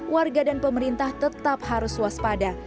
warga dan pemerintah tetap harus waspada